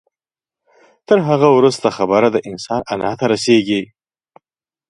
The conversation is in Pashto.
تر هغه وروسته خبره د انسان انا ته رسېږي.